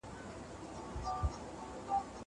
زه کولای سم کتاب وليکم!!